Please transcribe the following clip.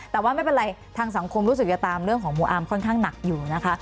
แต่ว่าไม่เป็นไรทางสังคมรู้สึกจะตามเรื่องของหมู่อาร์มค่อนข้างหนักอยู่นะคะ